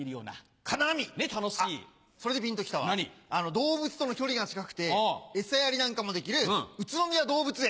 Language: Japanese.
動物との距離が近くて餌やりなんかもできる宇都宮動物園。